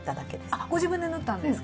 あっご自分で縫ったんですか？